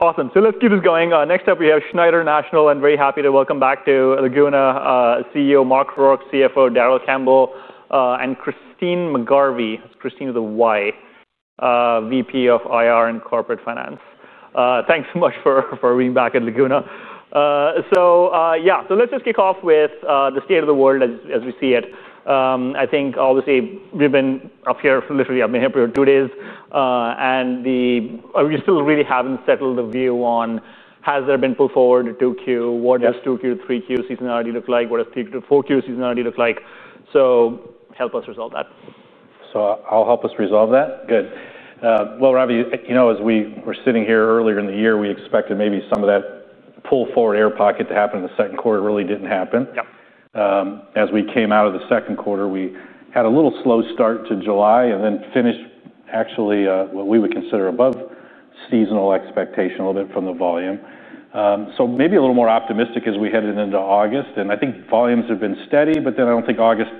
Awesome. Let's keep this going. Next up, we have Schneider National, and I'm very happy to welcome back to Laguna CEO Mark Rourke, CFO Darrell Campbell, and Christyne McGarvey. That's Christyne with a Y, VP of IR and Corporate Finance. Thanks so much for being back at Laguna. Let's just kick off with the state of the world as we see it. I think, obviously, we've been up here for literally, I've been here for two days, and we still really haven't settled the view on has there been pull forward at 2Q? What does 2Q, 3Q seasonality look like? What does 3Q, 4Q seasonality look like? Help us resolve that. I'll help us resolve that. Ravi, as we were sitting here earlier in the year, we expected maybe some of that pull forward air pocket to happen in the second quarter. It really didn't happen. Yeah. As we came out of the second quarter, we had a little slow start to July and then finished actually what we would consider above seasonal expectation a little bit from the volume. Maybe a little more optimistic as we headed into August. I think volumes have been steady, but I don't think August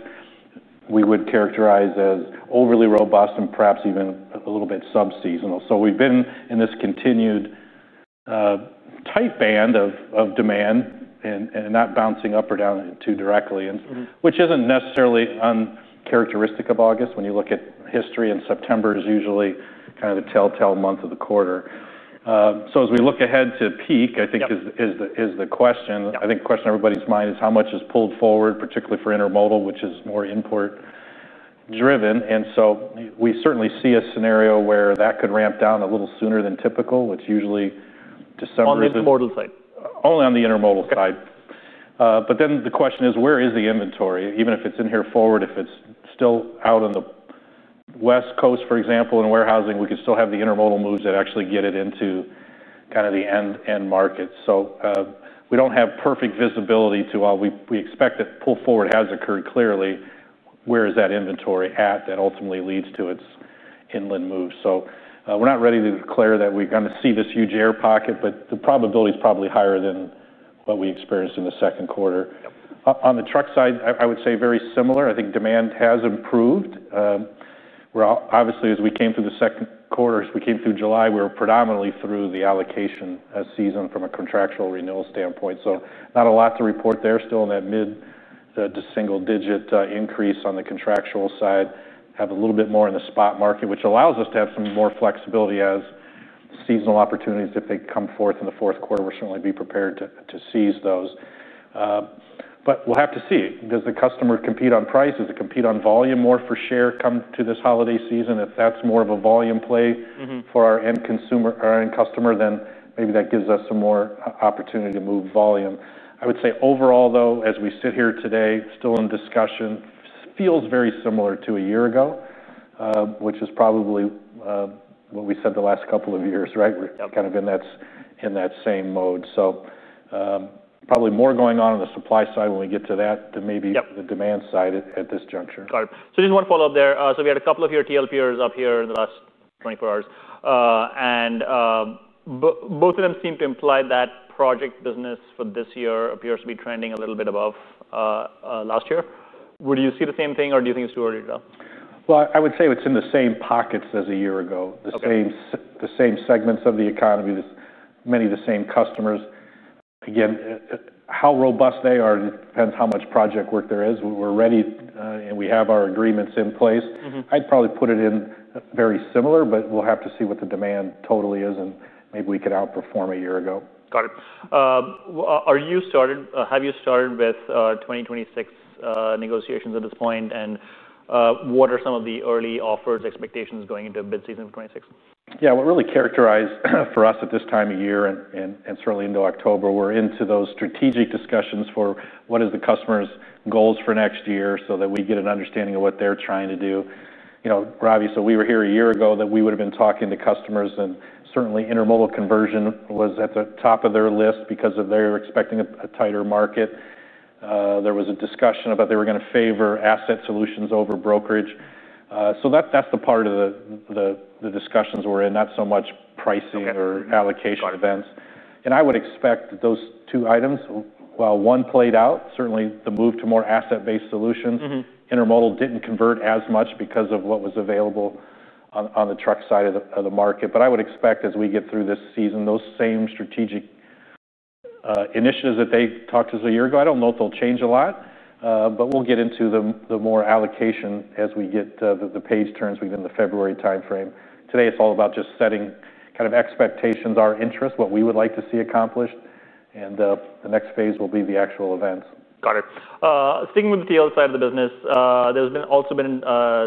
we would characterize as overly robust and perhaps even a little bit sub-seasonal. We've been in this continued tight band of demand and not bouncing up or down too directly, which isn't necessarily uncharacteristic of August. When you look at history in September, it's usually kind of a telltale month of the quarter. As we look ahead to peak, I think is the question. I think the question on everybody's mind is how much is pulled forward, particularly for intermodal, which is more import-driven. We certainly see a scenario where that could ramp down a little sooner than typical, which usually December. On the intermodal side. Only on the intermodal side. The question is, where is the inventory? Even if it's in here forward, if it's still out on the West Coast, for example, in warehousing, we could still have the intermodal moves that actually get it into kind of the end markets. We don't have perfect visibility to all. We expect that pull forward has occurred clearly. Where is that inventory at that ultimately leads to its inland move? We're not ready to declare that we're going to see this huge air pocket, but the probability is probably higher than what we experienced in the second quarter. On the truck side, I would say very similar. I think demand has improved. Obviously, as we came through the second quarter, as we came through July, we were predominantly through the allocation season from a contractual renewal standpoint. Not a lot to report there, still in that mid to single-digit increase on the contractual side. Have a little bit more in the spot market, which allows us to have some more flexibility as the seasonal opportunities, if they come forth in the fourth quarter, we'll certainly be prepared to seize those. We'll have to see. Does the customer compete on price? Does it compete on volume more for share come to this holiday season? If that's more of a volume play for our end customer, then maybe that gives us some more opportunity to move volume. I would say overall, though, as we sit here today, still in discussion, feels very similar to a year ago, which is probably what we said the last couple of years, right? We're kind of in that same mode. Probably more going on on the supply side when we get to that than maybe the demand side at this juncture. Got it. Just one follow-up there. We had a couple of your TLPers up here in the last 24 hours, and both of them seem to imply that project business for this year appears to be trending a little bit above last year. Would you see the same thing, or do you think it's too early to tell? It is in the same pockets as a year ago. The same segments of the economy, many of the same customers. Again, how robust they are depends how much project work there is. We are ready and we have our agreements in place. I would probably put it in very similar, but we will have to see what the demand totally is and maybe we could outperform a year ago. Got it. Have you started with 2026 negotiations at this point? What are some of the early offers, expectations going into mid-season for 2026? Yeah, we'll really characterize for us at this time of year and certainly into October, we're into those strategic discussions for what is the customer's goals for next year so that we get an understanding of what they're trying to do. You know, Ravi, if we were here a year ago, we would have been talking to customers and certainly intermodal conversion was at the top of their list because they were expecting a tighter market. There was a discussion about they were going to favor asset solutions over brokerage. That's the part of the discussions we're in, not so much pricing or allocation events. I would expect that those two items, while one played out, certainly the move to more asset-based solutions, intermodal didn't convert as much because of what was available on the truck side of the market. I would expect as we get through this season, those same strategic initiatives that they talked to us a year ago, I don't know if they'll change a lot, but we'll get into the more allocation as we get the page turns within the February timeframe. Today, it's all about just setting kind of expectations, our interests, what we would like to see accomplished, and the next phase will be the actual events. Got it. Sticking with the TL side of the business, there's also been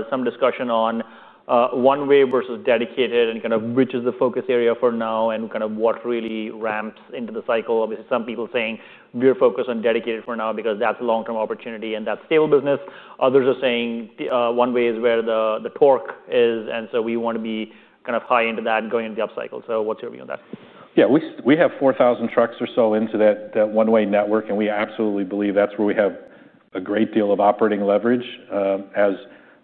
some discussion on one way versus dedicated and kind of which is the focus area for now and what really ramps into the cycle. Obviously, some people saying we're focused on dedicated for now because that's a long-term opportunity and that's stable business. Others are saying one way is where the torque is and we want to be kind of high into that going into the upcycle. What's your view on that? Yeah, we have 4,000 trucks or so into that one-way network, and we absolutely believe that's where we have a great deal of operating leverage as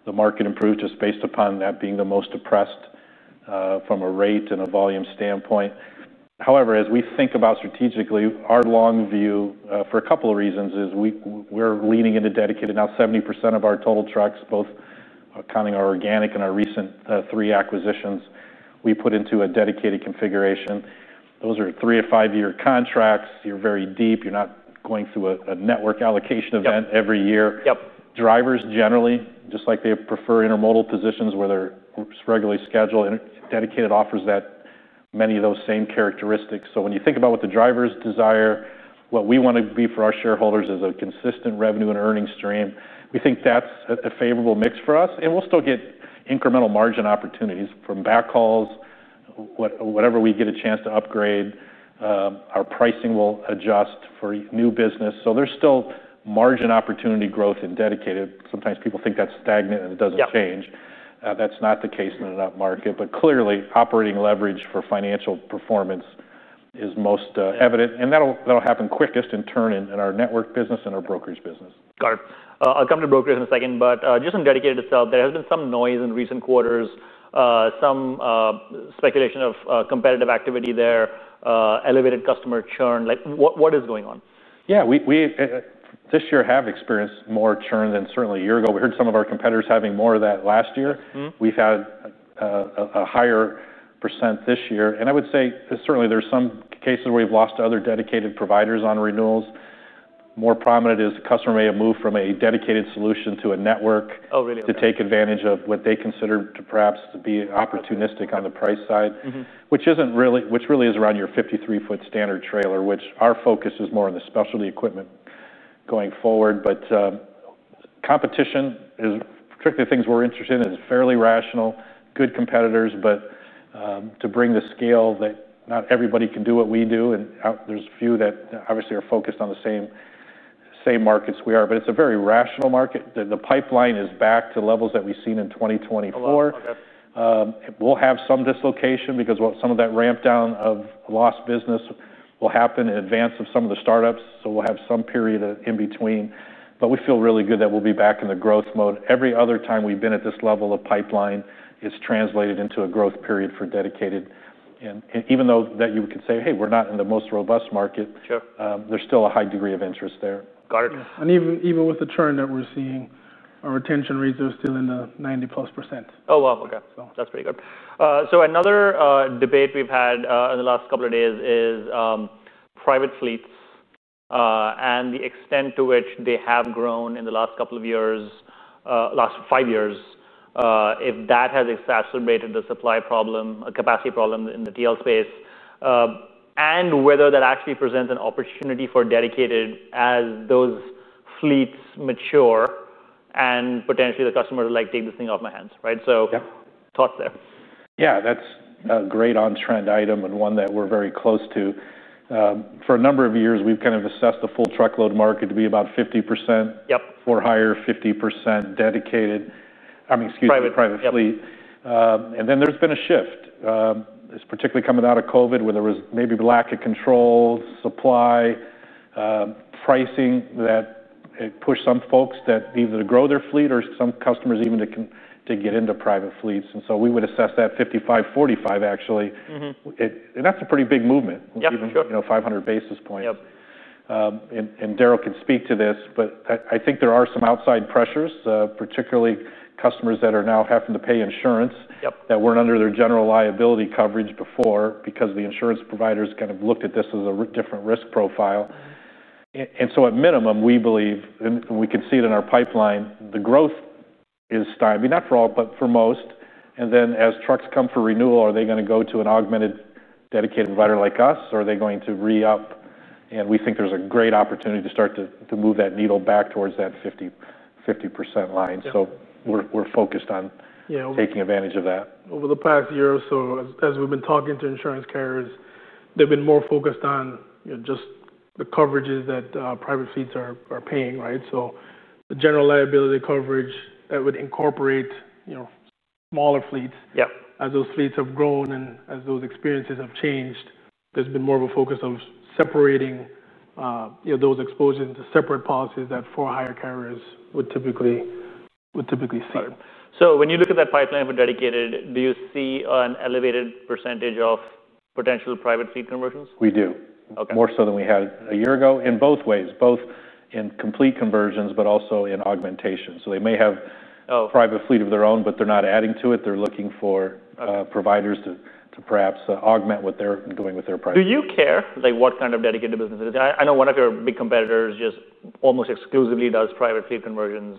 the market improves just based upon that being the most depressed from a rate and a volume standpoint. However, as we think about strategically, our long view for a couple of reasons is we're leaning into dedicated. Now, 70% of our total trucks, both counting our organic and our recent three acquisitions, we put into a dedicated configuration. Those are three to five-year contracts. You're very deep. You're not going through a network allocation event every year. Drivers generally, just like they prefer intermodal positions where they're regularly scheduled, dedicated offers that many of those same characteristics. When you think about what the drivers desire, what we want to be for our shareholders is a consistent revenue and earnings stream. We think that's a favorable mix for us, and we'll still get incremental margin opportunities from back hauls, whatever we get a chance to upgrade. Our pricing will adjust for new business. There's still margin opportunity growth in dedicated. Sometimes people think that's stagnant and it doesn't change. That's not the case in that market, but clearly operating leverage for financial performance is most evident, and that'll happen quickest in turn in our network business and our brokerage business. Got it. I'll come to brokerage in a second, but just on dedicated itself, there has been some noise in recent quarters, some speculation of competitive activity there, elevated customer churn. What is going on? Yeah, we this year have experienced more churn than certainly a year ago. We heard some of our competitors having more of that last year. We've had a higher % this year, and I would say certainly there's some cases where we've lost other dedicated providers on renewals. More prominent is the customer may have moved from a dedicated solution to a network to take advantage of what they consider to perhaps be opportunistic on the price side, which really is around your 53-foot standard trailer, which our focus is more on the specialty equipment going forward. Competition is particularly things we're interested in. It's fairly rational, good competitors, but to bring the scale that not everybody can do what we do, and there's a few that obviously are focused on the same markets we are, but it's a very rational market. The pipeline is back to levels that we've seen in 2024. We'll have some dislocation because some of that ramp down of lost business will happen in advance of some of the startups. We'll have some period in between, but we feel really good that we'll be back in the growth mode. Every other time we've been at this level, the pipeline has translated into a growth period for dedicated. Even though you could say, hey, we're not in the most robust market, there's still a high degree of interest there. Got it. Even with the churn that we're seeing, our retention rates are still in the 90+%. Oh, wow. Okay. That's pretty good. Another debate we've had in the last couple of days is private fleets and the extent to which they have grown in the last couple of years, last five years, if that has exacerbated the supply problem, a capacity problem in the TL space, and whether that actually presents an opportunity for dedicated as those fleets mature and potentially the customers are like, take this thing off my hands, right? Thoughts there. Yeah, that's a great on-trend item and one that we're very close to. For a number of years, we've kind of assessed the full truckload market to be about 50% for hire, 50% dedicated, I mean, excuse me, private fleet. There's been a shift, particularly coming out of COVID where there was maybe lack of control, supply, pricing that pushed some folks either to grow their fleet or some customers even to get into private fleets. We would assess that 55-45, actually. That's a pretty big movement, even 500 basis points. Darrell can speak to this, but I think there are some outside pressures, particularly customers that are now having to pay insurance that weren't under their general liability coverage before because the insurance providers kind of looked at this as a different risk profile. At minimum, we believe and we can see it in our pipeline, the growth is stopping, not for all, but for most. As trucks come for renewal, are they going to go to an augmented dedicated provider like us, or are they going to re-up? We think there's a great opportunity to start to move that needle back towards that 50% line. We're focused on taking advantage of that. Over the past year or so, as we've been talking to insurance carriers, they've been more focused on just the coverages that private fleets are paying, right? The general liability coverage would incorporate smaller fleets. As those fleets have grown and as those experiences have changed, there's been more of a focus of separating those exposures into separate policies that for-hire carriers would typically see. When you look at that pipeline for Dedicated, do you see an elevated % of potential private fleet conversions? We do. More so than we had a year ago in both ways, both in complete conversions, but also in augmentation. They may have a private fleet of their own, but they're not adding to it. They're looking for providers to perhaps augment what they're doing with their private fleet. Do you care what kind of dedicated businesses? I know one of your big competitors just almost exclusively does private fleet conversions.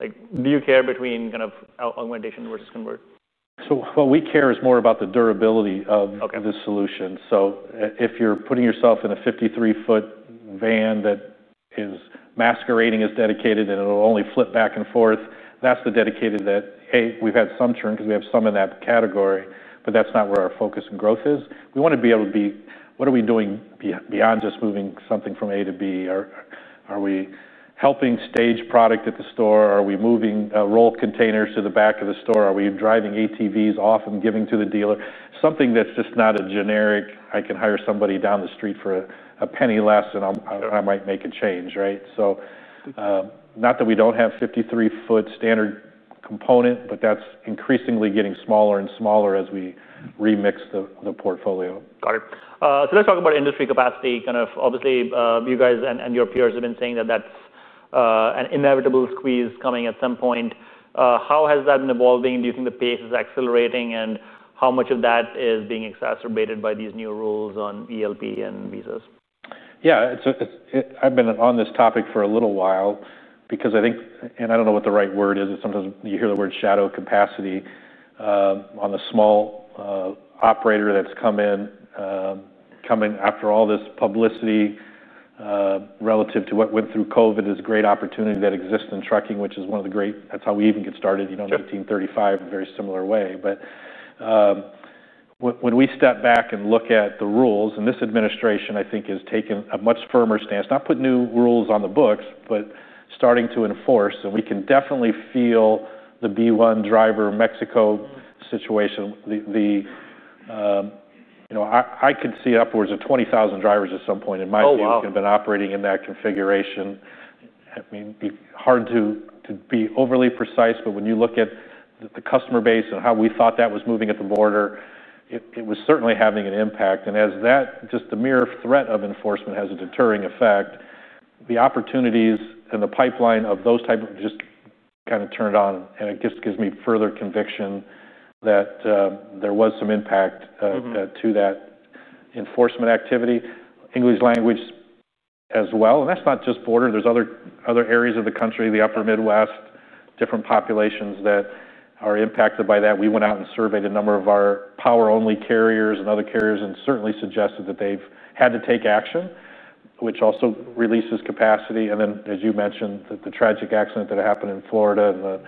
Do you care between augmentation versus convert? What we care about is more the durability of the solution. If you're putting yourself in a 53-foot van that is masquerading as dedicated and it'll only flip back and forth, that's the dedicated that, hey, we've had some churn because we have some in that category, but that's not where our focus and growth is. We want to be able to be, what are we doing beyond just moving something from A to B? Are we helping stage product at the store? Are we moving rolled containers to the back of the store? Are we driving ATVs off and giving to the dealer? Something that's just not a generic, I can hire somebody down the street for a penny less and I might make a change, right? Not that we don't have 53-foot standard component, but that's increasingly getting smaller and smaller as we remix the portfolio. Got it. Let's talk about industry capacity. Obviously, you guys and your peers have been saying that that's an inevitable squeeze coming at some point. How has that been evolving? Do you think the pace is accelerating, and how much of that is being exacerbated by these new rules on ELD and visas? Yeah, I've been on this topic for a little while because I think, and I don't know what the right word is, but sometimes you hear the word shadow capacity on the small operator that's come in, come in after all this publicity relative to what went through COVID is a great opportunity that exists in trucking, which is one of the great, that's how we even get started in 1935, a very similar way. When we step back and look at the rules, this administration, I think, has taken a much firmer stance, not put new rules on the books, but starting to enforce. We can definitely feel the B1 driver Mexico situation. I could see upwards of 20,000 drivers at some point in my view have been operating in that configuration. It'd be hard to be overly precise, but when you look at the customer base and how we thought that was moving at the border, it was certainly having an impact. As just the mere threat of enforcement has a deterring effect, the opportunities and the pipeline of those types just kind of turned on. It just gives me further conviction that there was some impact to that enforcement activity, English language as well. That's not just border. There's other areas of the country, the upper Midwest, different populations that are impacted by that. We went out and surveyed a number of our power-only carriers and other carriers and certainly suggested that they've had to take action, which also releases capacity. As you mentioned, the tragic accident that happened in Florida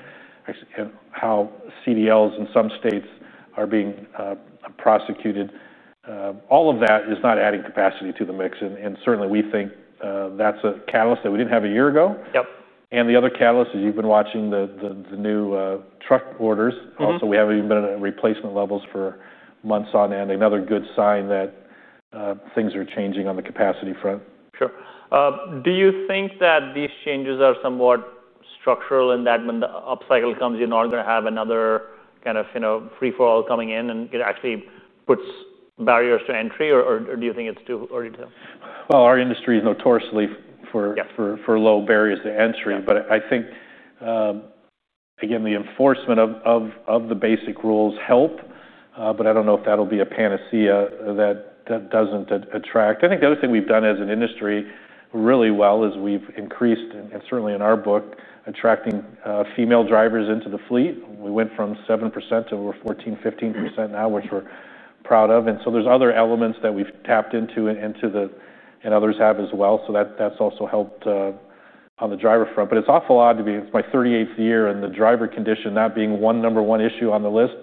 and how CDLs in some states are being prosecuted, all of that is not adding capacity to the mix. We think that's a catalyst that we didn't have a year ago. The other catalyst is you've been watching the new truck orders. We haven't even been at replacement levels for months on end. Another good sign that things are changing on the capacity front. Sure. Do you think that these changes are somewhat structural in that when the upcycle comes, you're not going to have another kind of free-for-all coming in, and it actually puts barriers to entry, or do you think it's too early to tell? Our industry is notorious for low barriers to entry, but I think, again, the enforcement of the basic rules helps. I don't know if that'll be a panacea that doesn't attract. I think the other thing we've done as an industry really well is we've increased, and certainly in our book, attracting female drivers into the fleet. We went from 7% to over 14%, 15% now, which we're proud of. There are other elements that we've tapped into and others have as well. That's also helped on the driver front. It's awful odd to me, it's my 38th year in the driver condition, not being one number one issue on the list.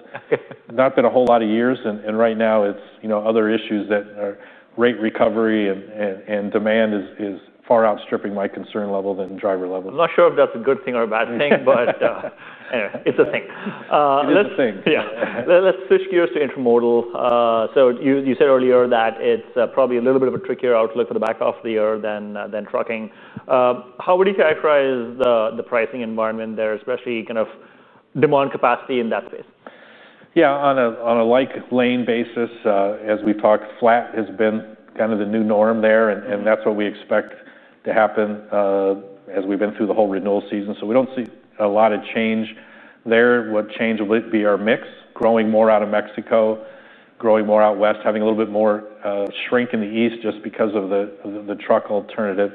Not been a whole lot of years. Right now, it's other issues that are rate recovery and demand is far outstripping my concern level than driver level. I'm not sure if that's a good thing or a bad thing, but anyway, it's a thing. It is a thing. Yeah. Let's switch gears to intermodal. You said earlier that it's probably a little bit of a trickier outlook for the back of the year than trucking. How would you characterize the pricing environment there, especially kind of demand capacity in that space? Yeah, on a like lane basis, as we talk, flat has been kind of the new norm there, and that's what we expect to happen as we've been through the whole renewal season. We don't see a lot of change there. What would change would be our mix, growing more out of Mexico, growing more out west, having a little bit more shrink in the east just because of the truck alternative.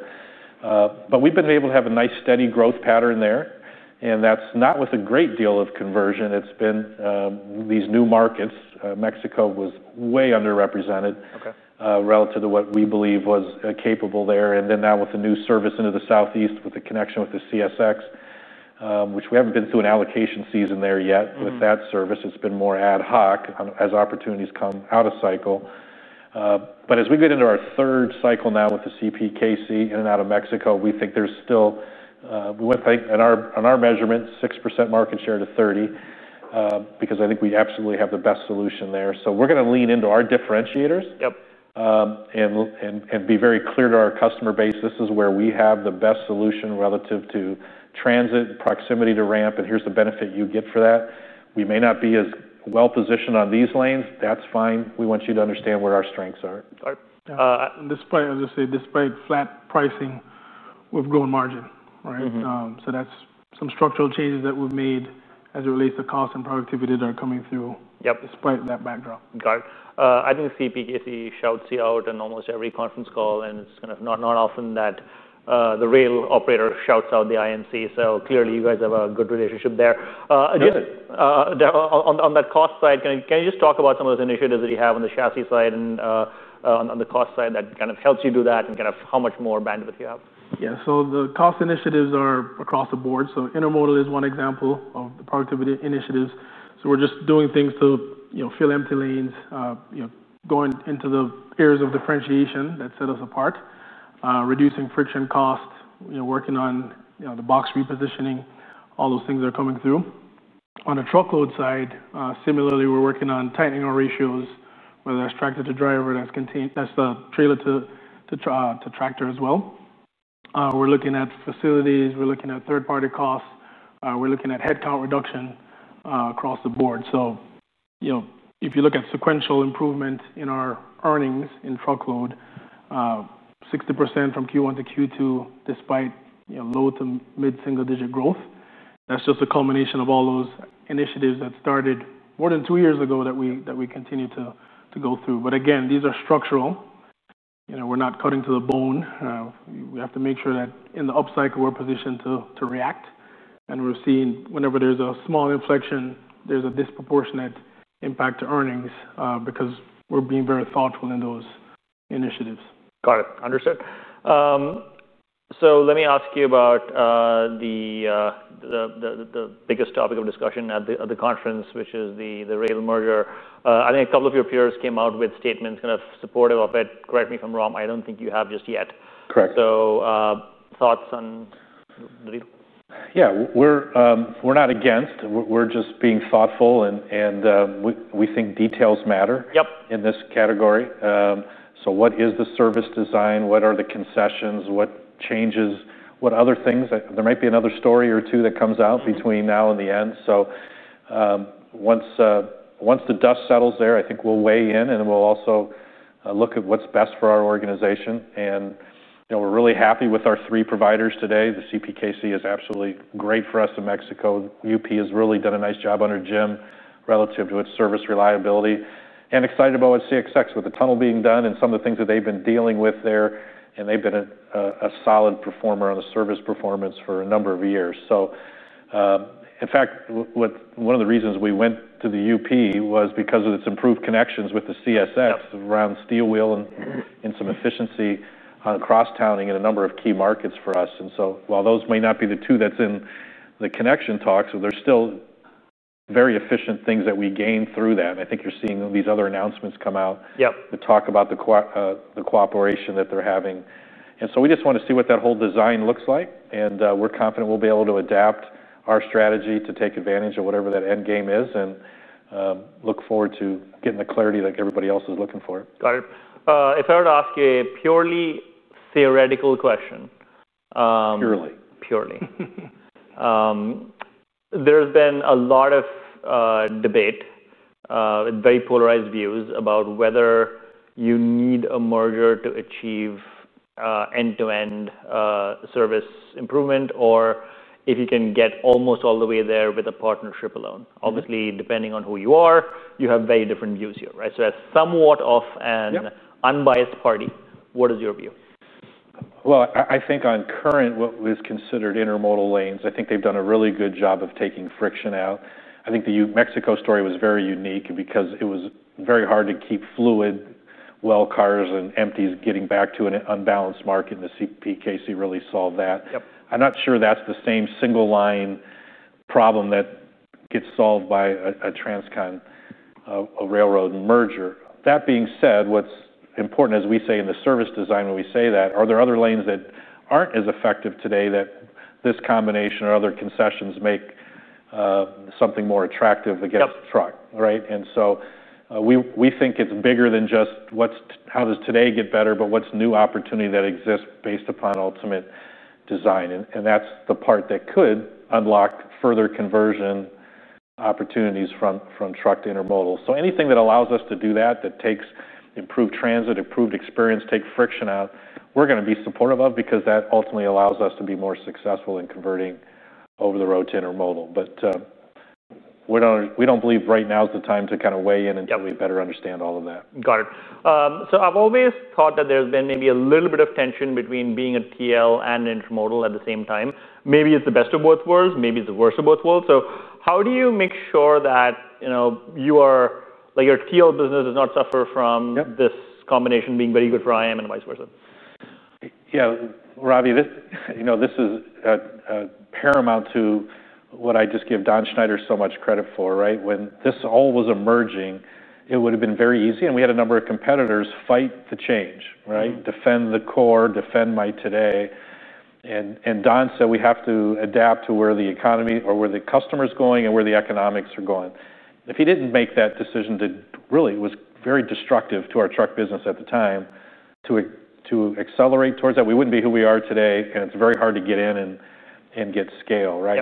We've been able to have a nice steady growth pattern there, and that's not with a great deal of conversion. It's been these new markets. Mexico was way underrepresented relative to what we believe was capable there. Now with the new service into the southeast with the connection with the CSX, which we haven't been through an allocation season there yet with that service, it's been more ad hoc as opportunities come out of cycle. As we get into our third cycle now with the CPKC in and out of Mexico, we think there's still, we went on our measurement, 6% market share to 30% because I think we absolutely have the best solution there. We're going to lean into our differentiators and be very clear to our customer base. This is where we have the best solution relative to transit and proximity to ramp, and here's the benefit you get for that. We may not be as well positioned on these lanes. That's fine. We want you to understand where our strengths are. Despite flat pricing, we've grown margin, right? That's some structural changes that we've made as it relates to cost and productivity that are coming through despite that backdrop. Got it. I think CPKC shouts you out in almost every conference call, and it's kind of not often that the rail operator shouts out the IMC. Clearly, you guys have a good relationship there. On that cost side, can you just talk about some of those initiatives that you have on the chassis side and on the cost side that kind of helps you do that and how much more bandwidth you have? Yeah, the cost initiatives are across the board. Intermodal is one example of the productivity initiatives. We're just doing things to fill empty lanes, going into the areas of differentiation that set us apart, reducing friction costs, working on the box repositioning, all those things that are coming through. On a truckload side, similarly, we're working on tightening our ratios, whether that's tractor to driver or trailer to tractor as well. We're looking at facilities, we're looking at third-party costs, we're looking at headcount reduction across the board. If you look at sequential improvement in our earnings in truckload, 60% from Q1 to Q2, despite low to mid-single-digit growth, that's just a culmination of all those initiatives that started more than two years ago that we continue to go through. These are structural. We're not cutting to the bone. We have to make sure that in the upcycle, we're positioned to react. We're seeing whenever there's a small inflection, there's a disproportionate impact to earnings because we're being very thoughtful in those initiatives. Got it. Understood. Let me ask you about the biggest topic of discussion at the conference, which is the rail merger. I think a couple of your peers came out with statements kind of supportive, but correct me if I'm wrong, I don't think you have just yet. Correct. Thoughts on the reason? Yeah, we're not against, we're just being thoughtful and we think details matter in this category. What is the service design? What are the concessions? What changes? What other things? There might be another story or two that comes out between now and the end. Once the dust settles there, I think we'll weigh in and we'll also look at what's best for our organization. We're really happy with our three providers today. The CPKC is absolutely great for us in Mexico. UP has really done a nice job under Jim Filter relative to its service reliability. Excited about what CSX with the tunnel being done and some of the things that they've been dealing with there. They've been a solid performer on the service performance for a number of years. In fact, one of the reasons we went to the UP was because of its improved connections with the CSX around steel wheel and some efficiency on cross-towning in a number of key markets for us. While those may not be the two that's in the connection talks, they're still very efficient things that we gain through that. I think you're seeing these other announcements come out to talk about the cooperation that they're having. We just want to see what that whole design looks like. We're confident we'll be able to adapt our strategy to take advantage of whatever that end game is and look forward to getting the clarity that everybody else is looking for. Got it. If I were to ask you a purely theoretical question. Purely. There's been a lot of debate with very polarized views about whether you need a merger to achieve end-to-end service improvement or if you can get almost all the way there with a partnership alone. Obviously, depending on who you are, you have very different views here, right? As somewhat of an unbiased party, what is your view? I think on current what was considered intermodal lanes, they've done a really good job of taking friction out. I think the Mexico story was very unique because it was very hard to keep fluid well cars and empties getting back to an unbalanced market. The CPKC really solved that. I'm not sure that's the same single line problem that gets solved by a transcon, a railroad merger. That being said, what's important, as we say in the service design, when we say that, are there other lanes that aren't as effective today that this combination or other concessions make something more attractive to get truck, right? We think it's bigger than just how does today get better, but what's new opportunity that exists based upon ultimate design. That's the part that could unlock further conversion opportunities from truck to intermodal. Anything that allows us to do that, that takes improved transit, improved experience, takes friction out, we're going to be supportive of because that ultimately allows us to be more successful in converting over the road to intermodal. We don't believe right now is the time to kind of weigh in until we better understand all of that. I've always thought that there's been maybe a little bit of tension between being a TL and an intermodal at the same time. Maybe it's the best of both worlds, maybe it's the worst of both worlds. How do you make sure that your TL business does not suffer from this combination being very good for IM and vice versa? Yeah, Ravi, this is paramount to what I just give Don Schneider so much credit for, right? When this all was emerging, it would have been very easy. We had a number of competitors fight the change, right? Defend the core, defend my today. Don said we have to adapt to where the economy or where the customer is going and where the economics are going. If he didn't make that decision, that really was very destructive to our truck business at the time, to accelerate towards that, we wouldn't be who we are today. It's very hard to get in and get scale, right?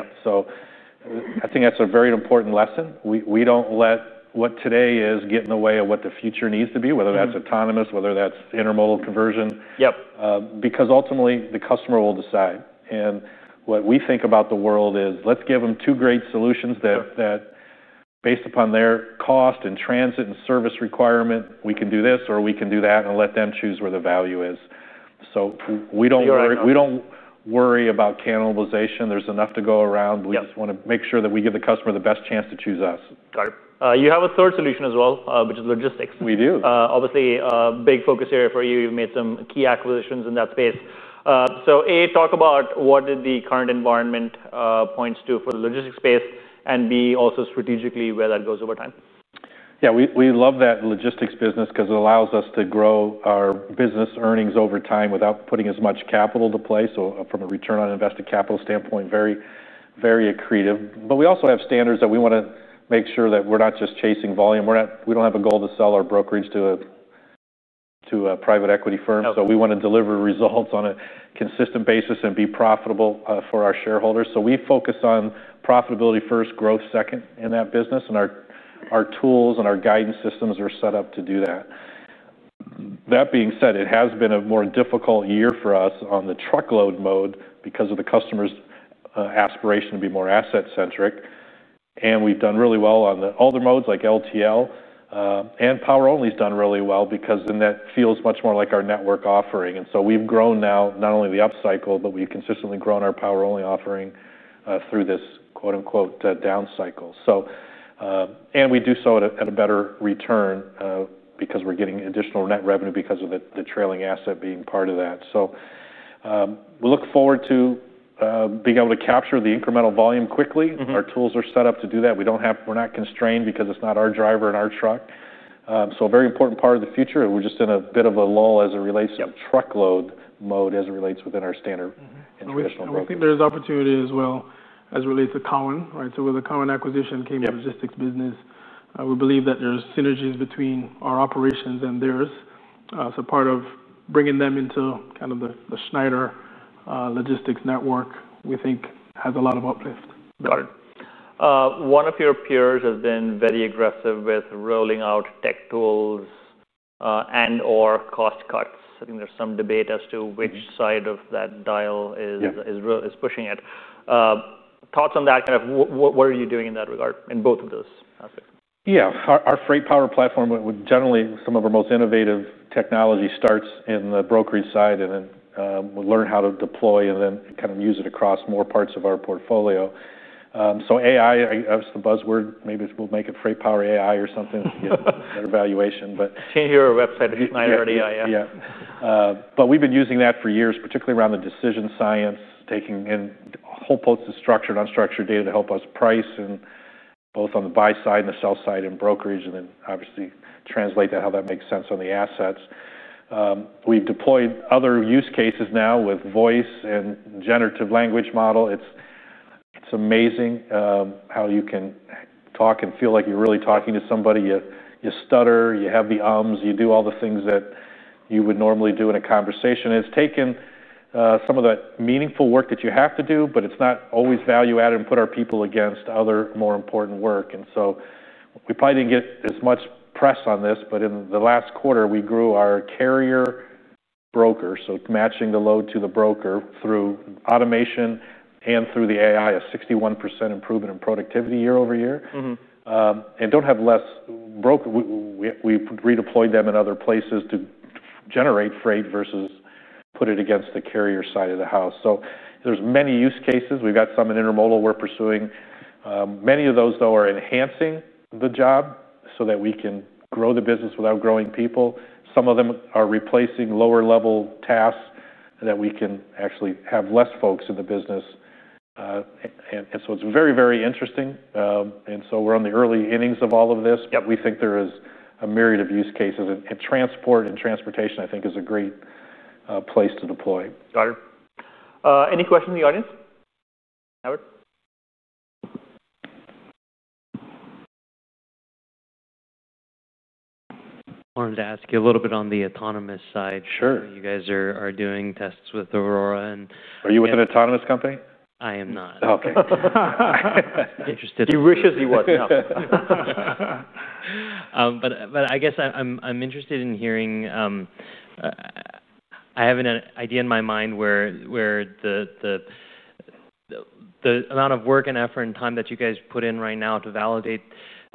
I think that's a very important lesson. We don't let what today is get in the way of what the future needs to be, whether that's autonomous, whether that's intermodal conversion, because ultimately the customer will decide. What we think about the world is let's give them two great solutions that based upon their cost and transit and service requirement, we can do this or we can do that and let them choose where the value is. We don't worry about cannibalization. There's enough to go around. We just want to make sure that we give the customer the best chance to choose us. Got it. You have a third solution as well, which is Logistics. We do. Obviously, a big focus area for you. You've made some key acquisitions in that space. A, talk about what the current environment points to for the logistics space, and B, also strategically where that goes over time. Yeah, we love that logistics business because it allows us to grow our business earnings over time without putting as much capital to play. From a return on invested capital standpoint, very, very accretive. We also have standards that we want to make sure that we're not just chasing volume. We don't have a goal to sell our Brokerage to a private equity firm. We want to deliver results on a consistent basis and be profitable for our shareholders. We focus on profitability first, growth second in that business. Our tools and our guidance systems are set up to do that. That being said, it has been a more difficult year for us on the truckload mode because of the customer's aspiration to be more asset-centric. We've done really well on the other modes like LTL. Power only has done really well because then that feels much more like our network offering. We've grown now not only the upcycle, but we've consistently grown our power only offering through this quote unquote down cycle. We do so at a better return because we're getting additional net revenue because of the trailing asset being part of that. We look forward to being able to capture the incremental volume quickly. Our tools are set up to do that. We're not constrained because it's not our driver and our truck. A very important part of the future, we're just in a bit of a lull as it relates to truckload mode as it relates within our standard. I think there's opportunity as well as related to Cowen, right? With the Cowen acquisition came the logistics business. We believe that there's synergies between our operations and theirs. Part of bringing them into kind of the Schneider logistics network, we think has a lot of uplift. Got it. One of your peers has been very aggressive with rolling out tech tools and/or cost cuts. I think there's some debate as to which side of that dial is pushing it. Thoughts on that, what are you doing in that regard in both of those aspects? Yeah, our FreightPower platform, generally some of our most innovative technology starts in the brokerage side, and then we learn how to deploy and then kind of use it across more parts of our portfolio. AI, that's the buzzword. Maybe we'll make it FreightPower AI or something, get better evaluation. You can't hear our website if you're not hearing AI. Yeah. We've been using that for years, particularly around the decision science, taking in whole boats of structured and unstructured data to help us price both on the buy side and the sell side in brokerage and then obviously translate to how that makes sense on the assets. We've deployed other use cases now with voice and generative language model. It's amazing how you can talk and feel like you're really talking to somebody. You stutter, you have the ums, you do all the things that you would normally do in a conversation. It's taken some of that meaningful work that you have to do, but it's not always value added and put our people against other more important work. We probably didn't get as much press on this, but in the last quarter, we grew our carrier broker. Matching the load to the broker through automation and through the AI, a 61% improvement in productivity year over year. We don't have less broker. We redeployed them in other places to generate freight versus put it against the carrier side of the house. There are many use cases. We've got some in intermodal we're pursuing. Many of those are enhancing the job so that we can grow the business without growing people. Some of them are replacing lower level tasks that we can actually have less folks in the business. It's very, very interesting. We're on the early innings of all of this, but we think there is a myriad of use cases. Transport and transportation, I think, is a great place to deploy. Got it. Any questions in the audience? Average? I wanted to ask you a little bit on the autonomous side. Sure. You guys are doing tests with Aurora. Are you with an autonomous company? I am not. Okay. Interesting. He wishes he was. I'm interested in hearing, I have an idea in my mind where the amount of work and effort and time that you guys put in right now to validate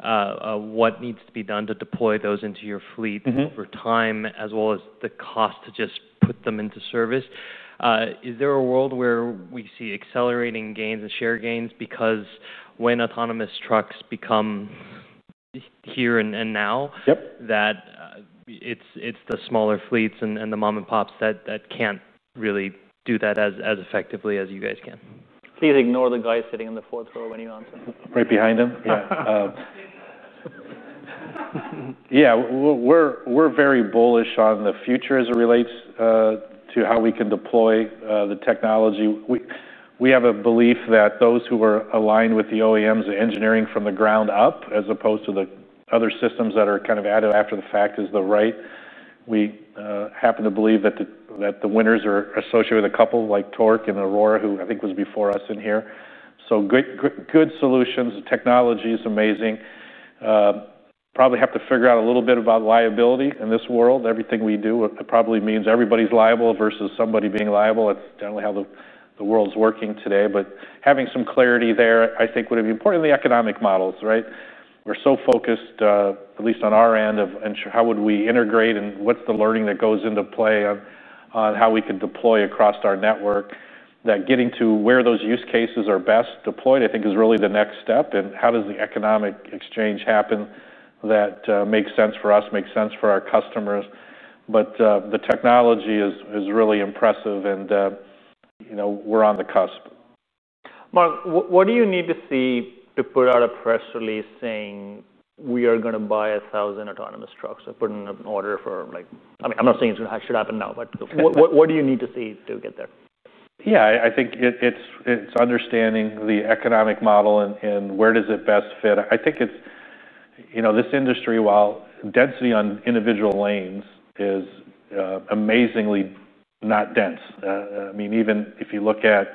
what needs to be done to deploy those into your fleet over time, as well as the cost to just put them into service. Is there a world where we see accelerating gains and share gains because when autonomous trucks become here and now, that it's the smaller fleets and the mom and pops that can't really do that as effectively as you guys can? Please ignore the guy sitting in the fourth row when you answer. Right behind him? Yeah. Yeah, we're very bullish on the future as it relates to how we can deploy the technology. We have a belief that those who are aligned with the OEMs and engineering from the ground up, as opposed to the other systems that are kind of added after the fact, is the right. We happen to believe that the winners are associated with a couple like Torque and Aurora, who I think was before us in here. Good solutions, the technology is amazing. Probably have to figure out a little bit about liability in this world. Everything we do probably means everybody's liable versus somebody being liable. That's generally how the world's working today. Having some clarity there, I think, would be important in the economic models, right? We're so focused, at least on our end, on how would we integrate and what's the learning that goes into play on how we could deploy across our network. Getting to where those use cases are best deployed, I think, is really the next step. How does the economic exchange happen that makes sense for us, makes sense for our customers? The technology is really impressive and you know we're on the cusp. Mark, what do you need to see to put out a press release saying we are going to buy 1,000 autonomous trucks or put in an order for, like, I mean, I'm not saying it should happen now, but what do you need to see to get there? Yeah, I think it's understanding the economic model and where does it best fit. I think it's, you know, this industry, while density on individual lanes is amazingly not dense. I mean, even if you look at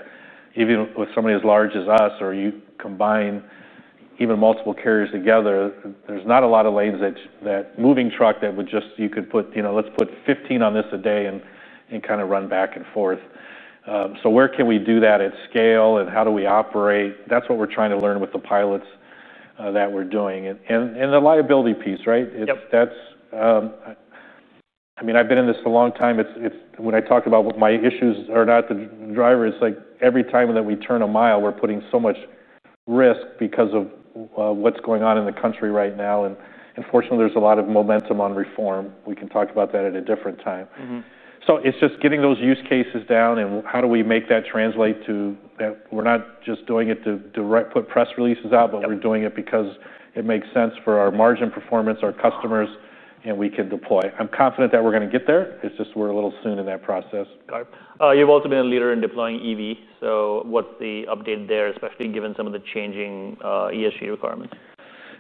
even with somebody as large as us or you combine even multiple carriers together, there's not a lot of lanes that moving truck that would just, you could put, you know, let's put 15 on this a day and kind of run back and forth. Where can we do that at scale and how do we operate? That's what we're trying to learn with the pilots that we're doing. The liability piece, right? I mean, I've been in this a long time. When I talk about what my issues are, not the driver, it's like every time that we turn a mile, we're putting so much risk because of what's going on in the country right now. Unfortunately, there's a lot of momentum on reform. We can talk about that at a different time. It's just getting those use cases down and how do we make that translate to that we're not just doing it to put press releases out, but we're doing it because it makes sense for our margin performance, our customers, and we can deploy. I'm confident that we're going to get there. It's just we're a little soon in that process. Got it. You've also been a leader in deploying EV. What's the update there, especially given some of the changing ESG requirements?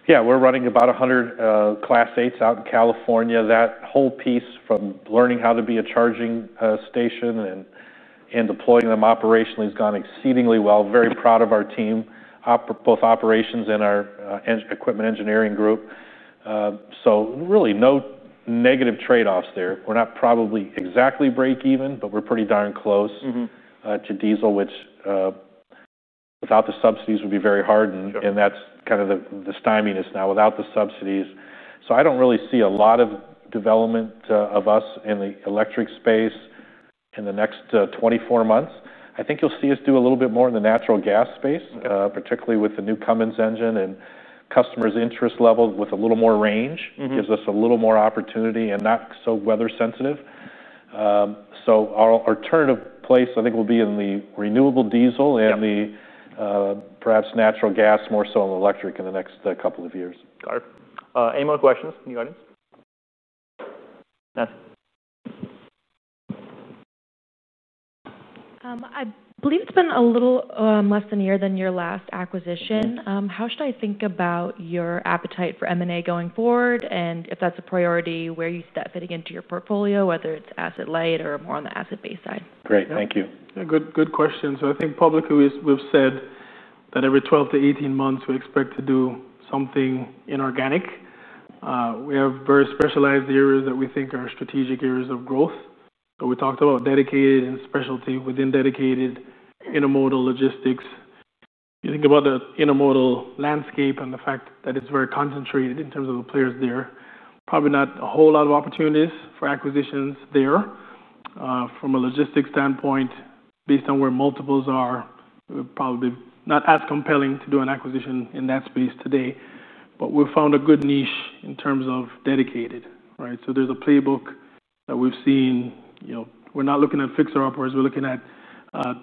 Yeah, we're running about 100 Class 8s out in California. That whole piece from learning how to be a charging station and deploying them operationally has gone exceedingly well. Very proud of our team, both operations and our equipment engineering group. Really no negative trade-offs there. We're not probably exactly break even, but we're pretty darn close to diesel, which without the subsidies would be very hard. That's kind of the styminess now without the subsidies. I don't really see a lot of development of us in the electric space in the next 24 months. I think you'll see us do a little bit more in the natural gas space, particularly with the new Cummins engine and customers' interest level with a little more range. It gives us a little more opportunity and not so weather sensitive. Our alternative place, I think, will be in the renewable diesel and perhaps natural gas, more so than electric in the next couple of years. Got it. Any more questions from the audience? Nothing. I believe it's been a little less than a year than your last acquisition. How should I think about your appetite for M&A going forward? If that's a priority, where are you fitting into your portfolio, whether it's asset light or more on the asset-based side? Great, thank you. Good question. I think publicly we've said that every 12 to 18 months we expect to do something inorganic. We have very specialized areas that we think are strategic areas of growth. We talked about dedicated and specialty within dedicated, intermodal, logistics. You think about the intermodal landscape and the fact that it's very concentrated in terms of the players there. Probably not a whole lot of opportunities for acquisitions there. From a logistics standpoint, based on where multiples are, it would probably be not as compelling to do an acquisition in that space today. We've found a good niche in terms of dedicated, right? There's a playbook that we've seen. We're not looking at fixer-uppers. We're looking at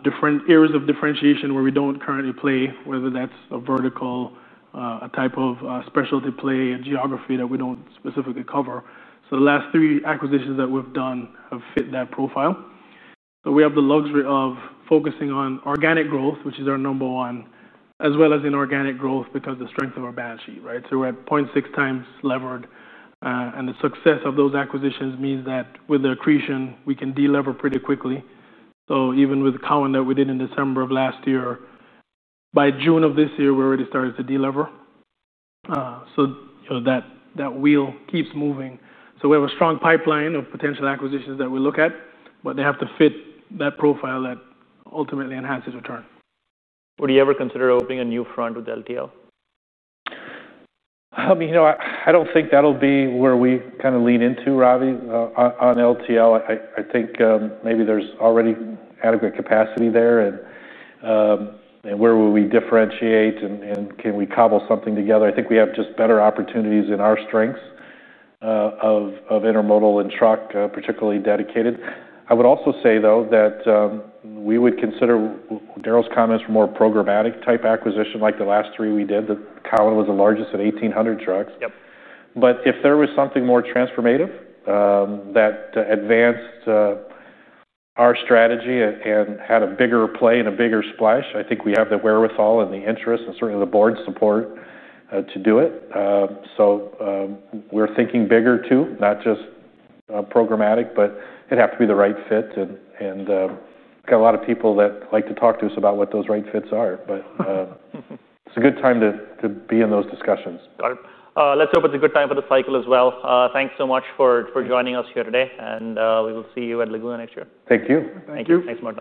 different areas of differentiation where we don't currently play, whether that's a vertical, a type of specialty play, a geography that we don't specifically cover. The last three acquisitions that we've done have fit that profile. We have the luxury of focusing on organic growth, which is our number one, as well as inorganic growth because of the strength of our balance sheet, right? We're at 0.6 times levered. The success of those acquisitions means that with the accretion, we can delever pretty quickly. Even with Cowen that we did in December of last year, by June of this year, we already started to delever. That wheel keeps moving. We have a strong pipeline of potential acquisitions that we look at, but they have to fit that profile that ultimately enhances return. Would you ever consider opening a new front with LTL? I mean, you know, I don't think that'll be where we kind of lean into, Ravi, on LTL. I think maybe there's already adequate capacity there. Where will we differentiate and can we cobble something together? I think we have just better opportunities in our strengths of intermodal and truck, particularly dedicated. I would also say, though, that we would consider Darrell's comments for more programmatic type acquisition, like the last three we did. The Cowen was the largest at 1,800 trucks. If there was something more transformative that advanced our strategy and had a bigger play and a bigger splash, I think we have the wherewithal and the interest and certainly the board support to do it. We're thinking bigger too, not just programmatic, but it'd have to be the right fit. We've got a lot of people that like to talk to us about what those right fits are. It's a good time to be in those discussions. Got it. Let's hope it's a good time for the cycle as well. Thanks so much for joining us here today. We will see you at Laguna next year. Thank you. Thank you. Thanks, Mark.